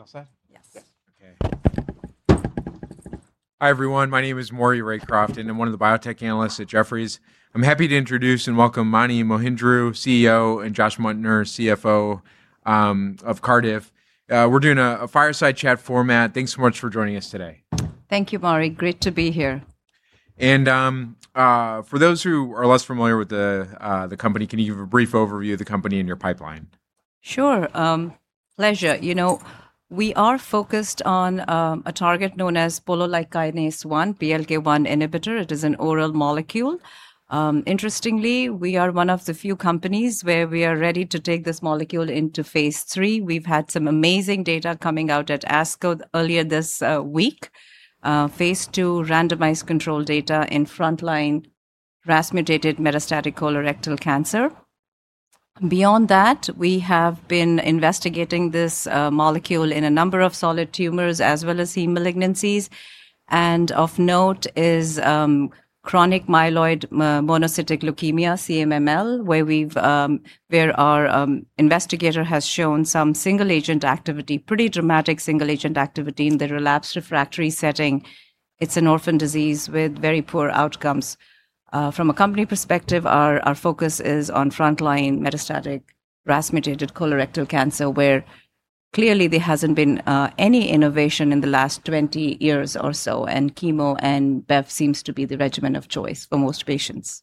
Okay. Hi, everyone. My name is Maury Raycroft, and I'm one of the biotech analysts at Jefferies. I'm happy to introduce and welcome Mani Mohindru, CEO, and Josh Muntner, CFO of Cardiff. We're doing a fireside chat format. Thanks so much for joining us today. Thank you, Maury. Great to be here. For those who are less familiar with the company, can you give a brief overview of the company and your pipeline? Sure. Pleasure. We are focused on a target known as polo-like kinase 1, PLK1 inhibitor. It is an oral molecule. Interestingly, we are one of the few companies where we are ready to take this molecule into phase III. We've had some amazing data coming out at ASCO earlier this week. Phase II randomized control data in frontline RAS-mutated metastatic colorectal cancer. We have been investigating this molecule in a number of solid tumors as well as heme malignancies. Of note is chronic myelomonocytic leukemia, CMML, where our investigator has shown some single-agent activity, pretty dramatic single-agent activity in the relapsed refractory setting. It's an orphan disease with very poor outcomes. From a company perspective, our focus is on frontline metastatic RAS-mutated colorectal cancer, where clearly there hasn't been any innovation in the last 20 years or so, and chemo and bevacizumab seems to be the regimen of choice for most patients.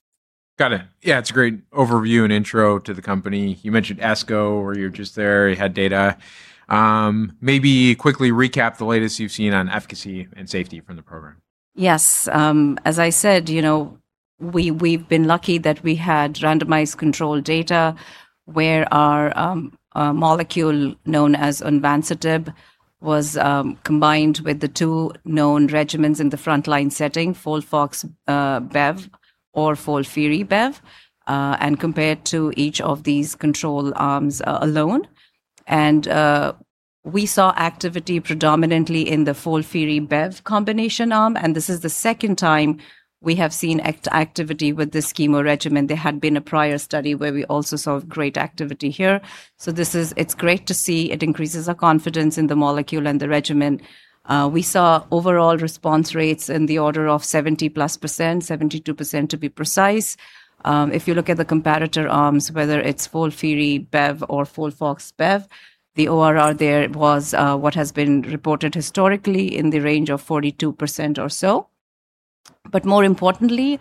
Got it. Yeah, it's a great overview and intro to the company. You mentioned ASCO, where you're just there. You had data. Maybe quickly recap the latest you've seen on efficacy and safety from the program. Yes. As I said, we've been lucky that we had randomized control data where our molecule, known as onvansertib, was combined with the two known regimens in the frontline setting, FOLFOX/bev or FOLFIRI/bev, and compared to each of these control arms alone. We saw activity predominantly in the FOLFIRI/bev combination arm, and this is the second time we have seen activity with this chemo regimen. There had been a prior study where we also saw great activity here. It's great to see. It increases our confidence in the molecule and the regimen. We saw overall response rates in the order of 70%+, 72% to be precise. If you look at the comparator arms, whether it's FOLFIRI/bev or FOLFOX/bev, the ORR there was what has been reported historically in the range of 42% or so. More importantly,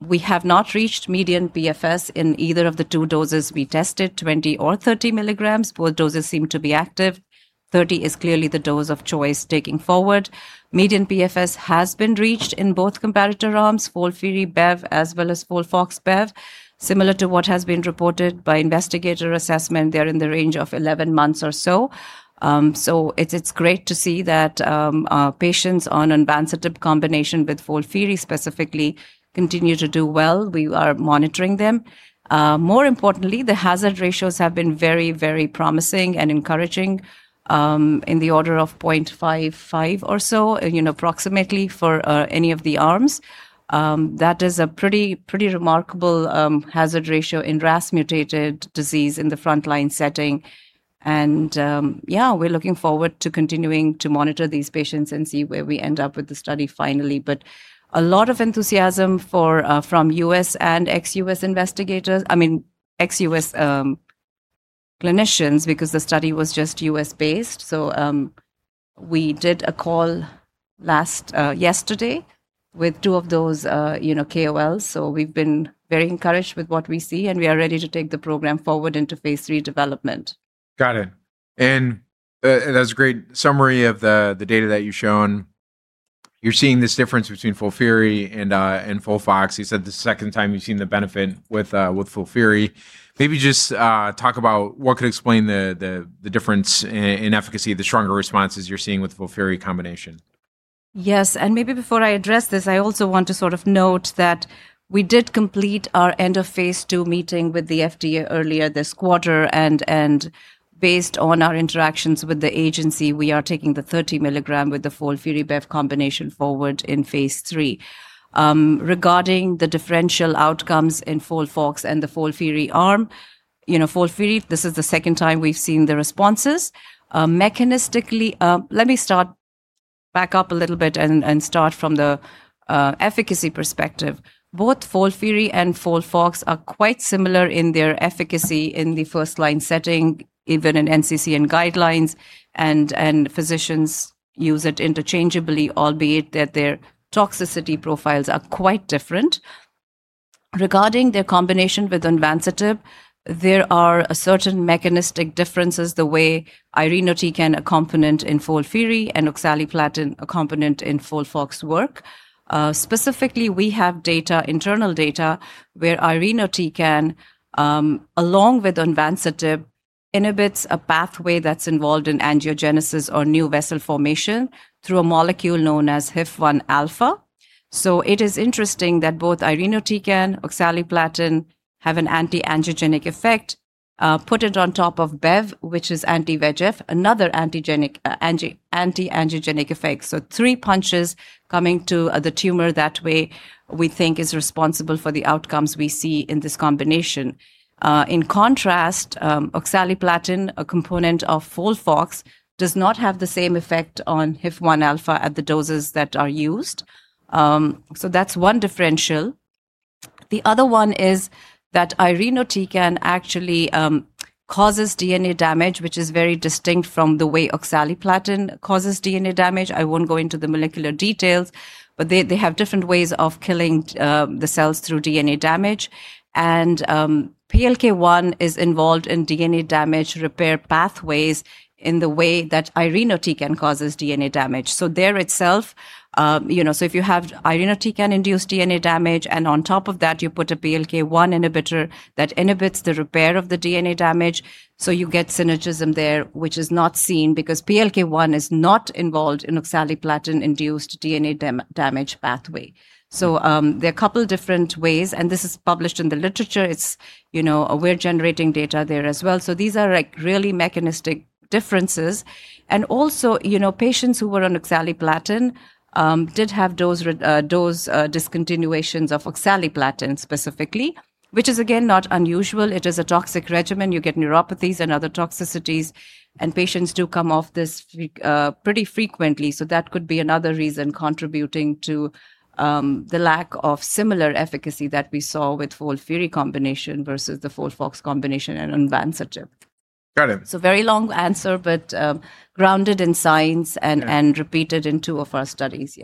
we have not reached median PFS in either of the two doses we tested, 20 or 30 milligrams. Both doses seem to be active. 30 is clearly the dose of choice taking forward. Median PFS has been reached in both comparator arms, FOLFIRI/bev as well as FOLFOX/bev, similar to what has been reported by investigator assessment. They're in the range of 11 months or so. It's great to see that patients on onvansertib combination with FOLFIRI specifically continue to do well. We are monitoring them. More importantly, the hazard ratios have been very promising and encouraging, in the order of 0.55 or so, approximately for any of the arms. That is a pretty remarkable hazard ratio in RAS-mutated disease in the frontline setting. Yeah, we're looking forward to continuing to monitor these patients and see where we end up with the study finally. A lot of enthusiasm from U.S. and ex-U.S. investigators. I mean, ex-U.S. clinicians, because the study was just U.S.-based. We did a call yesterday with two of those KOLs, so we've been very encouraged with what we see, and we are ready to take the program forward into phase III development. Got it. That was a great summary of the data that you've shown. You're seeing this difference between FOLFIRI and FOLFOX. You said the second time you've seen the benefit with FOLFIRI. Maybe just talk about what could explain the difference in efficacy, the stronger responses you're seeing with the FOLFIRI combination. Yes, maybe before I address this, I also want to note that we did complete our end of phase II meeting with the FDA earlier this quarter, and based on our interactions with the agency, we are taking the 30 milligrams with the FOLFIRI/bev combination forward in phase III. Regarding the differential outcomes in FOLFOX and the FOLFIRI arm, this is the second time we've seen the responses. Let me start back up a little bit and start from the efficacy perspective. Both FOLFIRI and FOLFOX are quite similar in their efficacy in the first-line setting, even in NCCN guidelines, and physicians use it interchangeably, albeit that their toxicity profiles are quite different. Regarding their combination with onvansertib, there are certain mechanistic differences the way irinotecan, a component in FOLFIRI, and oxaliplatin, a component in FOLFOX, work. Specifically, we have data, internal data, where irinotecan, along with onvansertib, inhibits a pathway that's involved in angiogenesis or new vessel formation through a molecule known as HIF1alpha. It is interesting that both irinotecan, oxaliplatin, have an anti-angiogenic effect. Put it on top of bevacizumad, which is anti-VEGF, another anti-angiogenic effect. Three punches coming to the tumor that way we think is responsible for the outcomes we see in this combination. In contrast, oxaliplatin, a component of FOLFOX, does not have the same effect on HIF1alpha at the doses that are used. The other one is that irinotecan actually causes DNA damage, which is very distinct from the way oxaliplatin causes DNA damage. I won't go into the molecular details, they have different ways of killing the cells through DNA damage. PLK1 is involved in DNA damage repair pathways in the way that irinotecan causes DNA damage. If you have irinotecan-induced DNA damage, and on top of that, you put a PLK1 inhibitor that inhibits the repair of the DNA damage, so you get synergism there, which is not seen because PLK1 is not involved in oxaliplatin-induced DNA damage pathway. There are a couple of different ways, and this is published in the literature. We're generating data there as well. These are really mechanistic differences. Patients who were on oxaliplatin did have dose discontinuations of oxaliplatin specifically, which is again, not unusual. It is a toxic regimen. You get neuropathies and other toxicities, and patients do come off this pretty frequently. That could be another reason contributing to the lack of similar efficacy that we saw with FOLFIRI combination versus the FOLFOX combination and nivolumab. Got it. Very long answer, but grounded in science and repeated in two of our studies.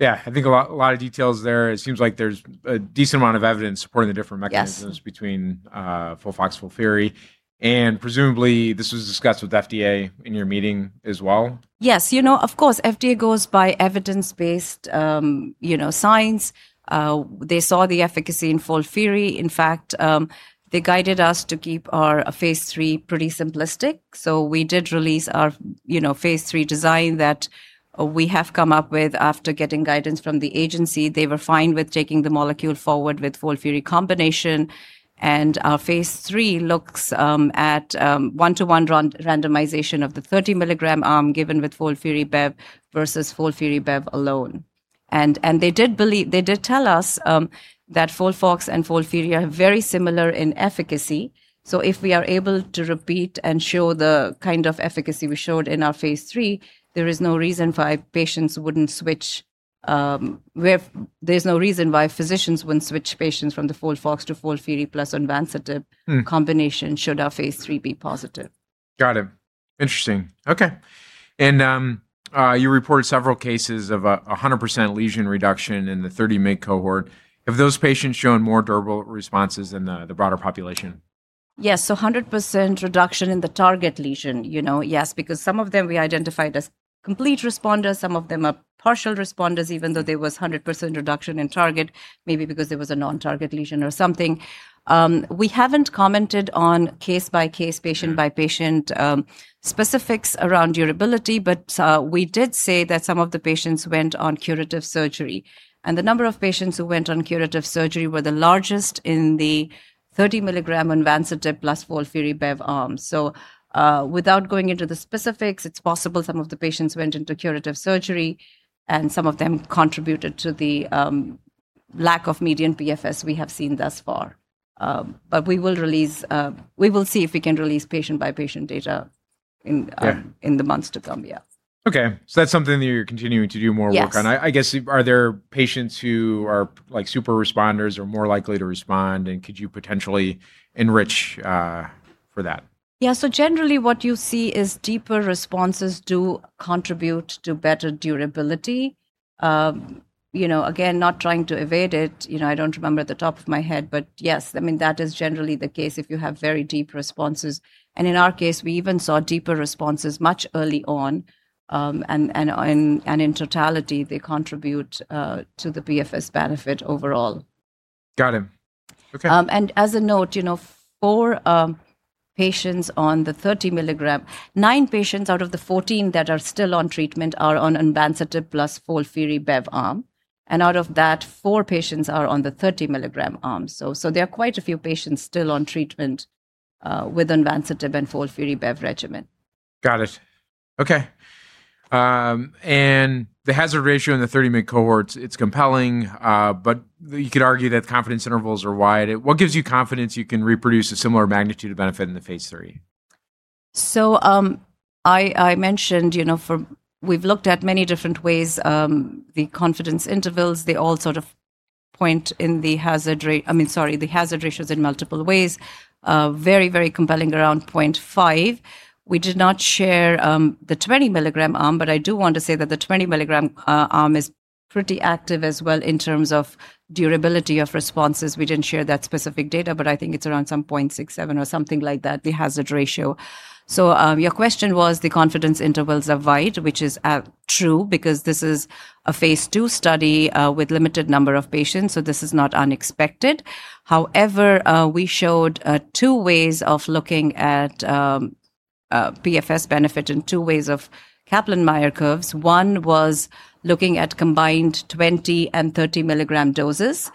I think a lot of details there. It seems like there's a decent amount of evidence supporting the different mechanisms- Yes. Between FOLFOX, FOLFIRI, and presumably this was discussed with FDA in your meeting as well. Yes. Of course, FDA goes by evidence-based science. They saw the efficacy in FOLFIRI. In fact, they guided us to keep our phase III pretty simplistic. We did release our phase III design that we have come up with after getting guidance from the agency. They were fine with taking the molecule forward with FOLFIRI combination. Our phase III looks at one-to-one randomization of the 30 milligram arm given with FOLFIRI/bev versus FOLFIRI/bev alone. They did tell us that FOLFOX and FOLFIRI are very similar in efficacy. If we are able to repeat and show the kind of efficacy we showed in our phase III, there's no reason why physicians wouldn't switch patients from the FOLFOX to FOLFIRI plus nivolumab combination should our phase III be positive. Got it. Interesting. Okay. You reported several cases of 100% lesion reduction in the 30 milligram cohort. Have those patients shown more durable responses than the broader population? Yes. 100% reduction in the target lesion. Yes, because some of them we identified as complete responders, some of them are partial responders, even though there was 100% reduction in target, maybe because there was a non-target lesion or something. We haven't commented on case-by-case, patient-by-patient specifics around durability, but we did say that some of the patients went on curative surgery. The number of patients who went on curative surgery were the largest in the 30 milligram nivolumab plus FOLFIRI/bev arm. Without going into the specifics, it's possible some of the patients went into curative surgery, and some of them contributed to the lack of median PFS we have seen thus far. We will see if we can release patient-by-patient data in- Yeah. The months to come. Yeah. Okay. That's something that you're continuing to do more work on. Yes. I guess, are there patients who are super responders or more likely to respond, and could you potentially enrich for that? Yeah. Generally, what you see is deeper responses do contribute to better durability. Again, not trying to evade it, I don't remember at the top of my head, but yes. That is generally the case if you have very deep responses. In our case, we even saw deeper responses much early on, and in totality, they contribute to the PFS benefit overall. Got it. Okay. As a note, four patients on the 30 milligram, nine patients out of the 14 that are still on treatment are on nivolumab plus FOLFIRI/bev arm, and out of that, four patients are on the 30 milligram arm. There are quite a few patients still on treatment with nivolumab and FOLFIRI/bev regimen. Got it. Okay. The hazard ratio in the 30 milligram cohorts, it's compelling, but you could argue that the confidence intervals are wide. What gives you confidence you can reproduce a similar magnitude of benefit in the phase III? I mentioned we've looked at many different ways, the confidence intervals, they all sort of point in the hazard ratios in multiple ways. Very compelling around 0.5. We did not share the 20 milligram arm, but I do want to say that the 20 milligram arm is pretty active as well in terms of durability of responses. We didn't share that specific data, but I think it's around some 0.67 or something like that, the hazard ratio. Your question was the confidence intervals are wide, which is true because this is a phase II study with limited number of patients, so this is not unexpected. However, we showed two ways of looking at PFS benefit and two ways of Kaplan-Meier curves. One was looking at combined 20 and 30 milligram doses,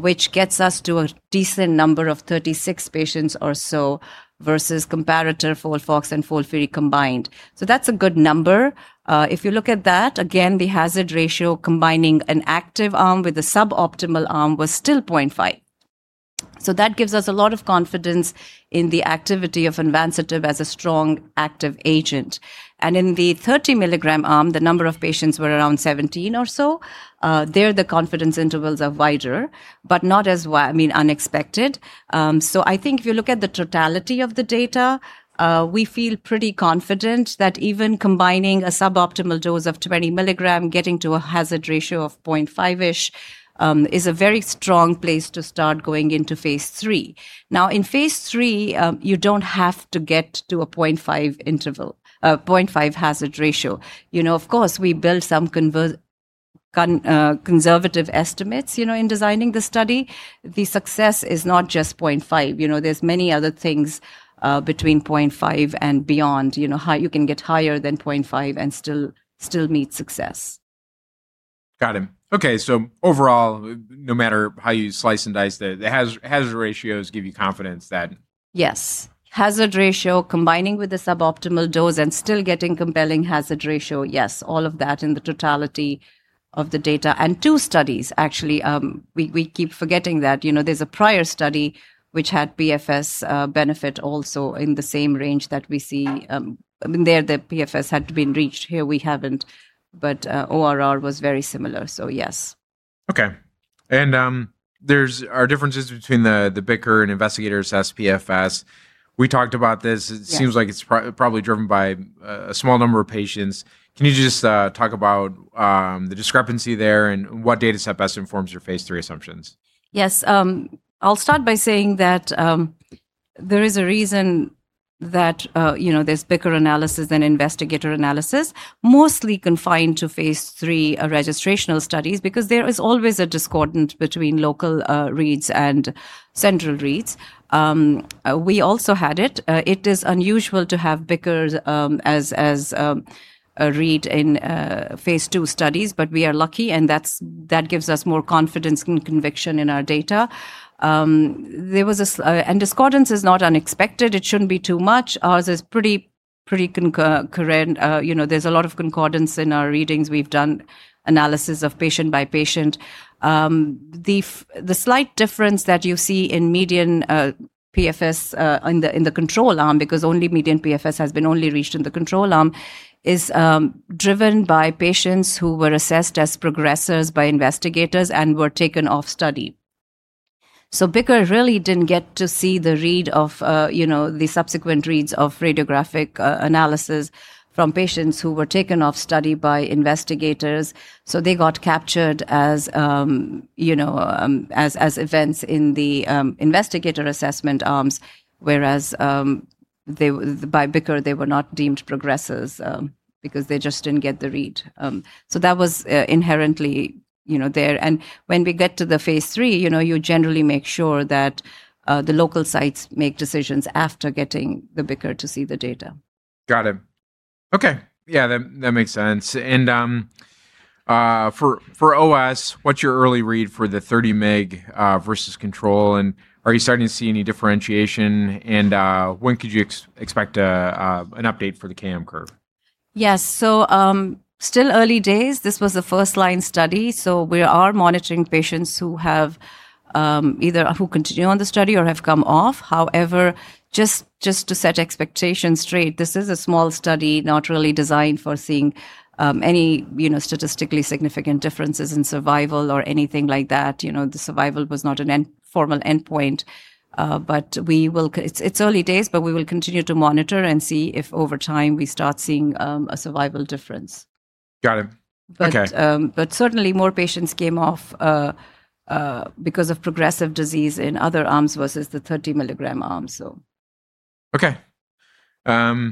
which gets us to a decent number of 36 patients or so versus comparator FOLFOX and FOLFIRI combined. That's a good number. If you look at that, again, the hazard ratio combining an active arm with a suboptimal arm was still 0.5. That gives us a lot of confidence in the activity of onvansertib as a strong active agent. In the 30 milligram arm, the number of patients were around 17 or so. There the confidence intervals are wider, but not as unexpected. I think if you look at the totality of the data, we feel pretty confident that even combining a suboptimal dose of 20 milligram, getting to a hazard ratio of 0.5-ish is a very strong place to start going into phase III. In phase III, you don't have to get to a 0.5 hazard ratio. Of course, we build some conservative estimates in designing the study. The success is not just 0.5. There's many other things between 0.5 and beyond. You can get higher than 0.5 and still meet success. Got it. Okay. Overall, no matter how you slice and dice, the hazard ratios give you confidence then? Yes. Hazard ratio combining with the suboptimal dose and still getting compelling hazard ratio, yes, all of that in the totality of the data. Two studies, actually, we keep forgetting that. There's a prior study which had PFS benefit also in the same range that we see. There the PFS had been reached. Here we haven't, but ORR was very similar, so yes. Okay. There are differences between the BICR and investigator's PFS. We talked about this. Yes. It seems like it's probably driven by a small number of patients. Can you just talk about the discrepancy there and what data set best informs your phase III assumptions? Yes. I'll start by saying that there is a reason that there's BICR analysis and investigator analysis, mostly confined to phase III registrational studies because there is always a discordance between local reads and central reads. We also had it. It is unusual to have BICR as a read in phase II studies, but we are lucky, and that gives us more confidence and conviction in our data. Discordance is not unexpected. It shouldn't be too much. Ours is pretty concurrent. There's a lot of concordance in our readings. We've done analysis of patient by patient. The slight difference that you see in median PFS in the control arm, because only median PFS has been only reached in the control arm, is driven by patients who were assessed as progressors by investigators and were taken off study. BICR really didn't get to see the subsequent reads of radiographic analysis from patients who were taken off study by investigators. They got captured as events in the investigator assessment arms, whereas by BICR, they were not deemed progressors because they just didn't get the read. That was inherently there. When we get to the phase III, you generally make sure that the local sites make decisions after getting the BICR to see the data. Got it. Okay. Yeah, that makes sense. For OS, what's your early read for the 30 milligram versus control, and are you starting to see any differentiation, and when could you expect an update for the KM curve? Yes. Still early days. This was a first-line study. We are monitoring patients who continue on the study or have come off. However, just to set expectations straight, this is a small study, not really designed for seeing any statistically significant differences in survival or anything like that. The survival was not a formal endpoint. It's early days, but we will continue to monitor and see if over time we start seeing a survival difference. Got it. Okay. Certainly more patients came off because of progressive disease in other arms versus the 30 milligram arm. Okay. How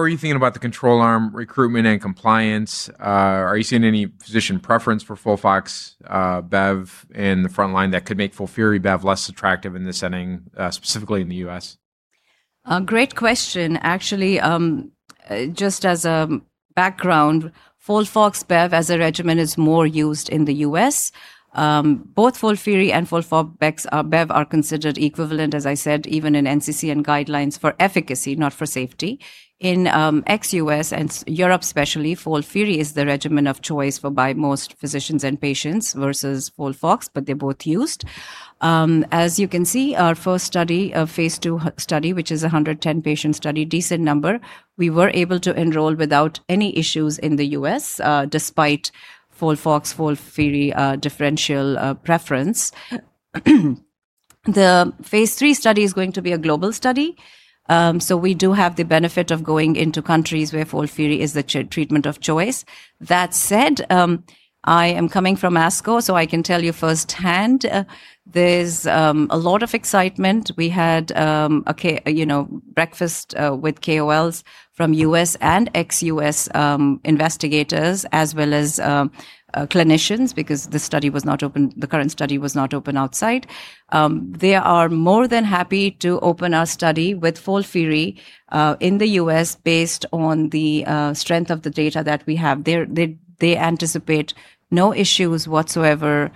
are you thinking about the control arm recruitment and compliance? Are you seeing any physician preference for FOLFOX/b in the frontline that could make FOLFIRI/bev less attractive in this setting, specifically in the U.S.? Great question. Just as a background, FOLFOX/bev as a regimen is more used in the U.S. Both FOLFIRI and FOLFOX/bev are considered equivalent, as I said, even in NCCN guidelines for efficacy, not for safety. In ex-U.S. and Europe especially, FOLFIRI is the regimen of choice by most physicians and patients versus FOLFOX, they're both used. As you can see, our first study, a phase II study, which is 110-patient study, decent number, we were able to enroll without any issues in the U.S., despite FOLFOX, FOLFIRI differential preference. The phase III study is going to be a global study. We do have the benefit of going into countries where FOLFIRI is the treatment of choice. That said, I am coming from ASCO, I can tell you firsthand, there's a lot of excitement. We had breakfast with KOLs from U.S. and ex-U.S. investigators as well as clinicians because the current study was not open outside. They are more than happy to open a study with FOLFIRI in the U.S. based on the strength of the data that we have. They anticipate no issues whatsoever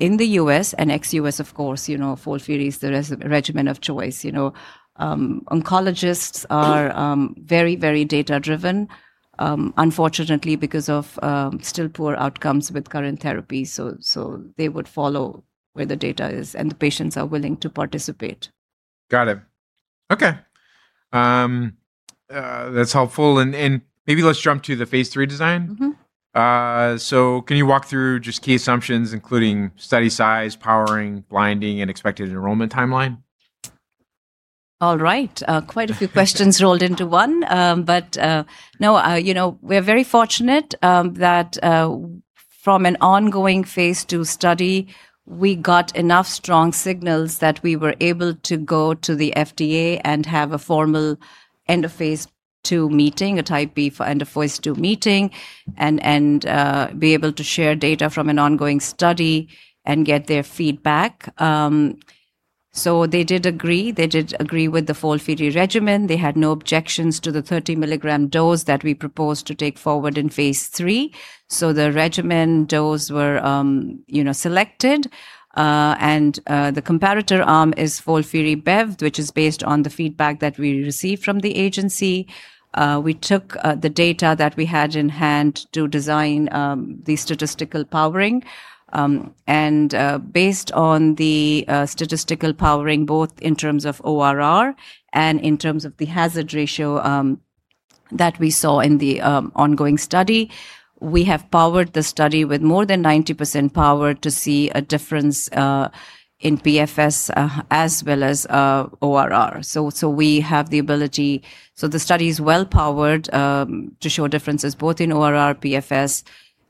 in the U.S. and ex-U.S., of course. FOLFIRI is the regimen of choice. Oncologists are very data-driven, unfortunately, because of still poor outcomes with current therapy. They would follow where the data is, and the patients are willing to participate. Got it. Okay. That's helpful. Maybe let's jump to the phase III design. Can you walk through just key assumptions, including study size, powering, blinding, and expected enrollment timeline? All right. Quite a few questions rolled into one. No, we're very fortunate that from an ongoing phase II study, we got enough strong signals that we were able to go to the FDA and have a formal end of phase II meeting, a type B end of phase II meeting, and be able to share data from an ongoing study and get their feedback. They did agree with the FOLFIRI regimen. They had no objections to the 30 milligram dose that we proposed to take forward in phase III. The regimen dose were selected. The comparator arm is FOLFIRI/bev, which is based on the feedback that we received from the agency. We took the data that we had in hand to design the statistical powering. Based on the statistical powering, both in terms of ORR and in terms of the hazard ratio that we saw in the ongoing study, we have powered the study with more than 90% power to see a difference in PFS as well as ORR. We have the ability. The study is well powered to show differences both in ORR, PFS,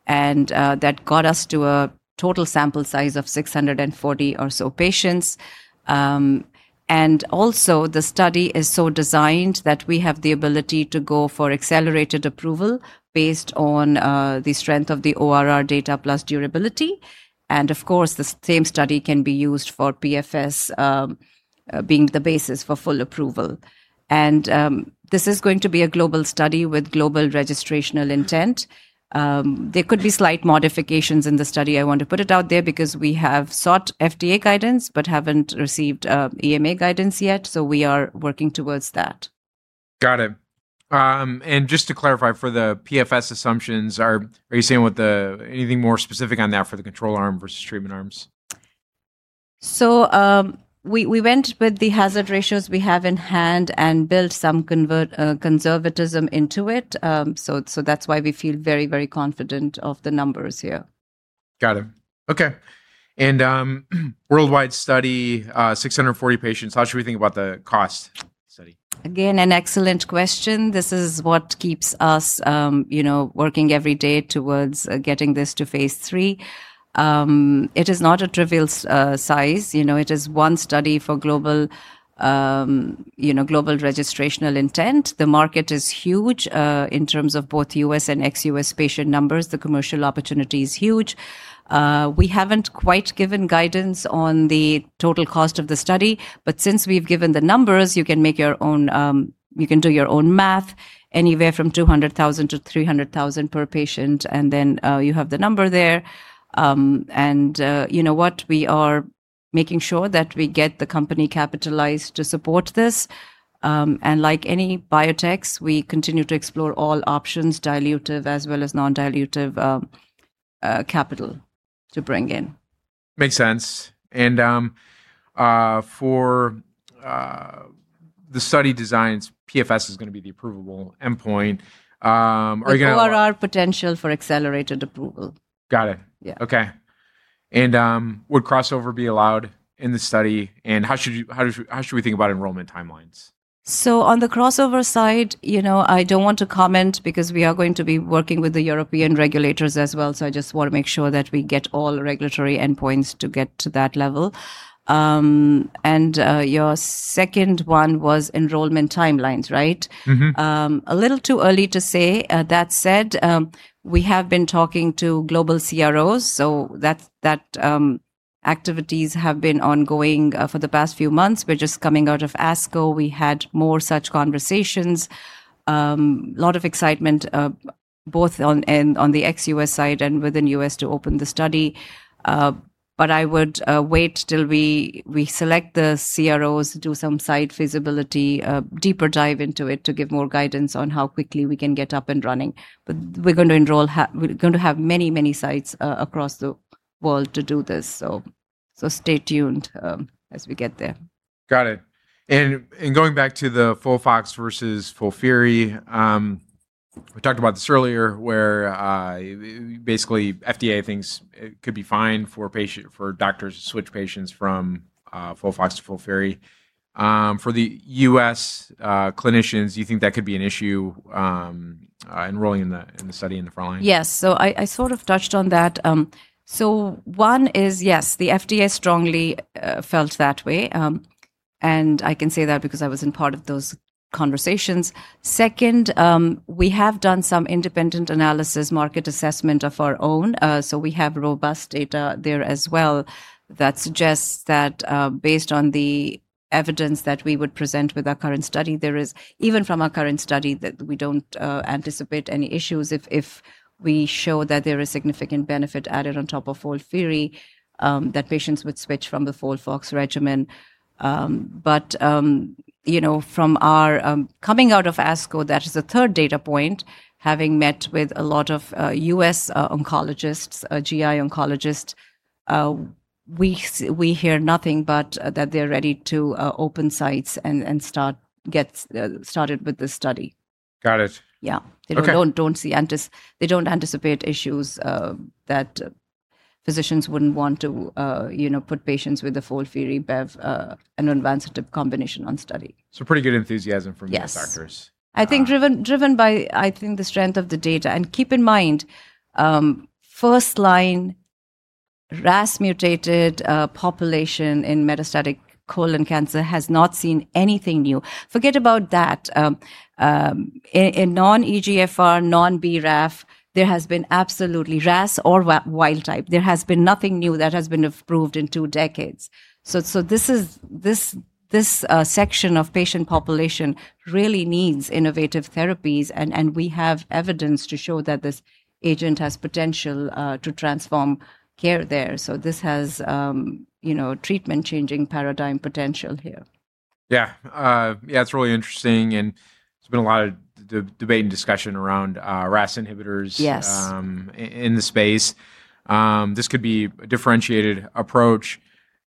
and that got us to a total sample size of 640 or so patients. Also, the study is so designed that we have the ability to go for accelerated approval based on the strength of the ORR data plus durability. Of course, the same study can be used for PFS being the basis for full approval. This is going to be a global study with global registrational intent. There could be slight modifications in the study. I want to put it out there because we have sought FDA guidance but haven't received EMA guidance yet. We are working towards that. Got it. Just to clarify for the PFS assumptions, are you saying with anything more specific on that for the control arm versus treatment arms? We went with the hazard ratios we have in hand and built some conservatism into it. That's why we feel very, very confident of the numbers here. Got it. Okay. Worldwide study, 640 patients. How should we think about the cost study? Again, an excellent question. This is what keeps us working every day towards getting this to phase III. It is not a trivial size. It is one study for global registrational intent. The market is huge in terms of both U.S. and ex-U.S. patient numbers. The commercial opportunity is huge. We haven't quite given guidance on the total cost of the study, but since we've given the numbers, you can do your own math, anywhere from $200,000-$300,000 per patient, and then you have the number there. You know what? We are making sure that we get the company capitalized to support this. Like any biotechs, we continue to explore all options, dilutive as well as non-dilutive capital to bring in. Makes sense. For the study designs, PFS is going to be the approvable endpoint. With ORR potential for accelerated approval. Got it. Yeah. Okay. Would crossover be allowed in the study? How should we think about enrollment timelines? On the crossover side, I don't want to comment because we are going to be working with the European regulators as well, so I just want to make sure that we get all regulatory endpoints to get to that level. Your second one was enrollment timelines, right? A little too early to say. That said, we have been talking to global CROs, so that activities have been ongoing for the past few months. We're just coming out of ASCO. We had more such conversations. Lot of excitement both on the ex-U.S. side and within U.S. to open the study. I would wait till we select the CROs, do some site feasibility, deeper dive into it to give more guidance on how quickly we can get up and running. We're going to have many, many sites across the world to do this, so stay tuned as we get there. Got it. Going back to the FOLFOX versus FOLFIRI, we talked about this earlier where basically FDA thinks it could be fine for doctors to switch patients from FOLFOX to FOLFIRI. For the U.S. clinicians, do you think that could be an issue enrolling in the study in the front line? Yes. I sort of touched on that. One is, yes, the FDA strongly felt that way, and I can say that because I was in part of those conversations. Second, we have done some independent analysis, market assessment of our own. We have robust data there as well that suggests that based on the evidence that we would present with our current study, there is, even from our current study, that we don't anticipate any issues if we show that there is significant benefit added on top of FOLFIRI, that patients would switch from the FOLFOX regimen. From our coming out of ASCO, that is a third data point, having met with a lot of U.S. oncologists, GI oncologists. We hear nothing but that they're ready to open sites and get started with the study. Got it. Yeah. Okay. They don't anticipate issues that physicians wouldn't want to put patients with a FOLFIRI, bevacizumad, and onvansertib combination on study. Pretty good enthusiasm from- Yes. The doctors. I think driven by the strength of the data. Keep in mind, first line RAS-mutated population in metastatic colon cancer has not seen anything new. Forget about that. In non-EGFR, non-BRAF, there has been absolutely, RAS or wild type, there has been nothing new that has been approved in two decades. This section of patient population really needs innovative therapies, and we have evidence to show that this agent has potential to transform care there. This has treatment changing paradigm potential here. Yeah. It's really interesting, and there's been a lot of debate and discussion around RAS inhibitors- Yes. In the space. This could be a differentiated approach.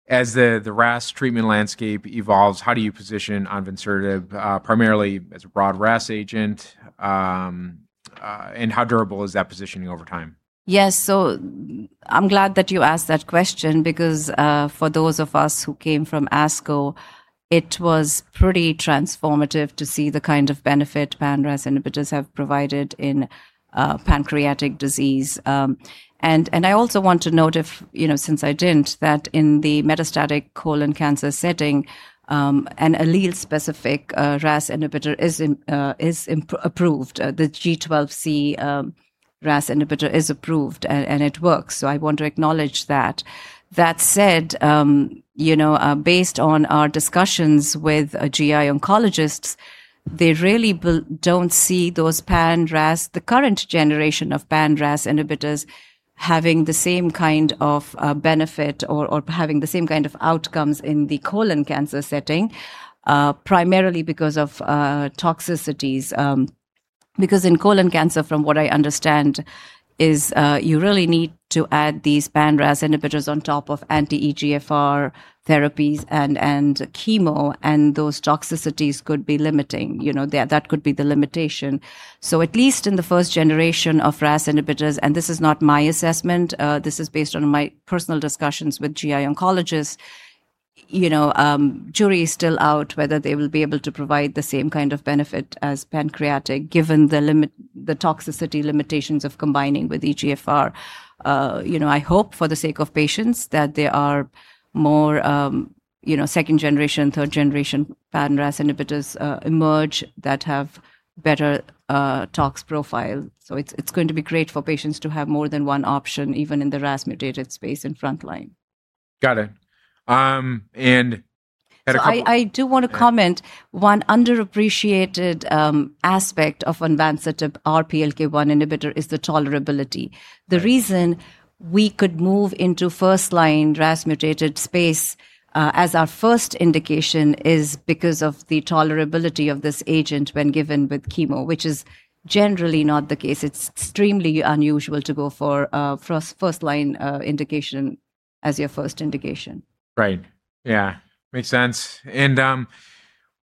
As the RAS treatment landscape evolves, how do you position onvansertib primarily as a broad RAS agent, and how durable is that positioning over time? Yes, I'm glad that you asked that question because for those of us who came from ASCO, it was pretty transformative to see the kind of benefit pan-RAS inhibitors have provided in pancreatic disease. I also want to note, since I didn't, that in the metastatic colon cancer setting, an allele specific RAS inhibitor is approved, the G12C RAS inhibitor is approved, and it works. I want to acknowledge that. That said, based on our discussions with GI oncologists, they really don't see those pan-RAS, the current generation of pan-RAS inhibitors, having the same kind of benefit or having the same kind of outcomes in the colon cancer setting, primarily because of toxicities. In colon cancer, from what I understand, is you really need to add these pan-RAS inhibitors on top of anti-EGFR therapies and chemo, and those toxicities could be limiting. That could be the limitation. At least in the first generation of RAS inhibitors, and this is not my assessment, this is based on my personal discussions with GI oncologists, jury is still out whether they will be able to provide the same kind of benefit as pancreatic, given the toxicity limitations of combining with EGFR. I hope for the sake of patients that there are more second-generation, third-generation pan-RAS inhibitors emerge that have better tox profile. It's going to be great for patients to have more than one option, even in the RAS-mutated space in frontline. Got it. I do want to comment. Yeah. One underappreciated aspect of onvansertib, our PLK1 inhibitor, is the tolerability. Right. The reason we could move into first-line RAS-mutated space as our first indication is because of the tolerability of this agent when given with chemo, which is generally not the case. It's extremely unusual to go for a first-line indication as your first indication. Right. Yeah. Makes sense.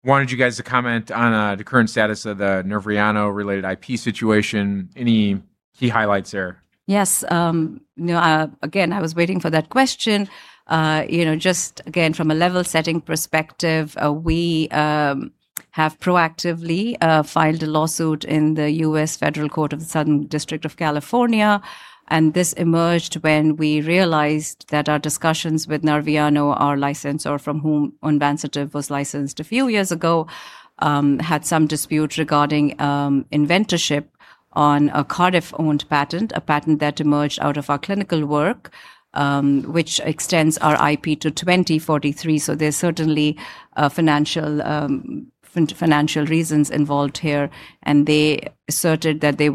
Wanted you guys to comment on the current status of the Nerviano related IP situation. Any key highlights there? Yes. Again, I was waiting for that question. Just again, from a level setting perspective, we have proactively filed a lawsuit in the U.S. Federal Court of the Southern District of California. This emerged when we realized that our discussions with Nerviano, our licensor, from whom onvansertib was licensed a few years ago, had some dispute regarding inventorship on a Cardiff owned patent, a patent that emerged out of our clinical work, which extends our IP to 2043. There's certainly financial reasons involved here, and they asserted that they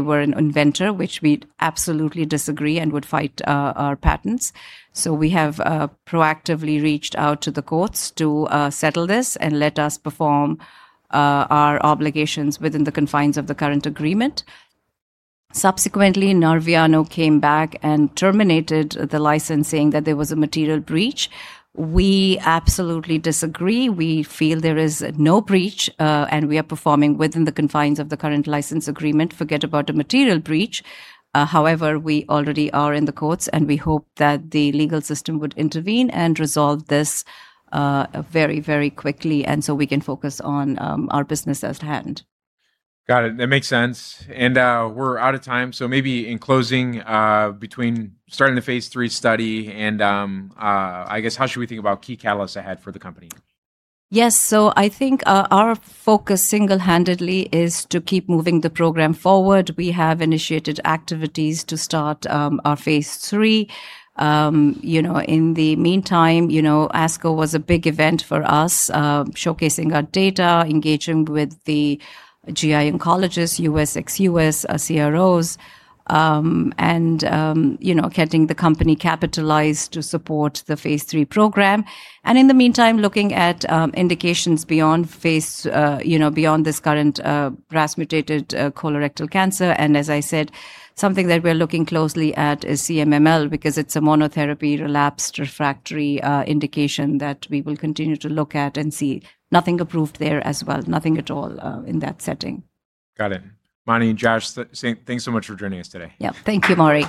were an inventor, which we absolutely disagree and would fight our patents. We have proactively reached out to the courts to settle this and let us perform our obligations within the confines of the current agreement. Subsequently, Nerviano came back and terminated the license saying that there was a material breach. We absolutely disagree. We feel there is no breach, and we are performing within the confines of the current license agreement. Forget about a material breach. However, we already are in the courts, and we hope that the legal system would intervene and resolve this very quickly and so we can focus on our business at hand. Got it. That makes sense. We're out of time, so maybe in closing, between starting the phase III study and I guess how should we think about key catalysts ahead for the company? Yes. I think our focus single-handedly is to keep moving the program forward. We have initiated activities to start our phase III. In the meantime, ASCO was a big event for us, showcasing our data, engaging with the GI oncologists, U.S., ex-U.S., our CROs, and getting the company capitalized to support the phase III program. In the meantime, looking at indications beyond this current RAS-mutated colorectal cancer. As I said, something that we're looking closely at is CMML because it's a monotherapy relapsed refractory indication that we will continue to look at and see. Nothing approved there as well. Nothing at all in that setting. Got it. Mani and Josh, thanks so much for joining us today. Yeah. Thank you, Maury.